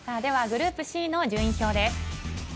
グループＣの順位表です。